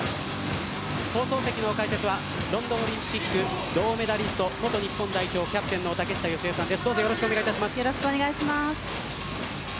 放送席の解説はロンドンオリンピック銅メダリスト元日本代表キャプテンの竹下佳江さんです